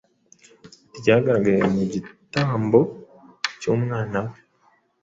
rwagaragaye mu gitambo cy’Umwana we,